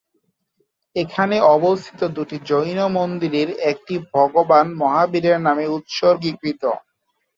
এখানে অবস্থিত দুটি জৈন মন্দিরের একটি ভগবান মহাবীরের নামে উৎসর্গীকৃত।